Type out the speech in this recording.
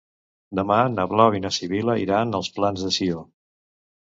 Demà na Blau i na Sibil·la iran als Plans de Sió.